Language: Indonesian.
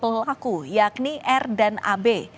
pelaku yakni r dan ab